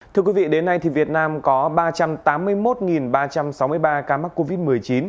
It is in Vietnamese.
thưa quý vị đến nay việt nam có ba trăm tám mươi một ba trăm sáu mươi ba ca mắc covid một mươi chín